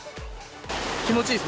気持ちいいです。